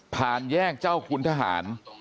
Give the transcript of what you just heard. ผ่านแยกเจ้าคุณทหาร